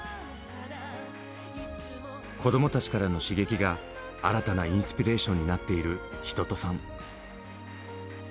子どもたちからの刺激が新たなインスピレーションになっている一青さん。